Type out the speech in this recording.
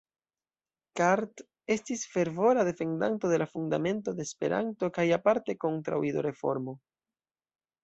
Cart estis fervora defendanto de la Fundamento de Esperanto kaj aparte kontraŭ Ido-reformo.